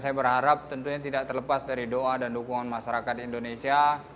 saya berharap tentunya tidak terlepas dari doa dan dukungan masyarakat indonesia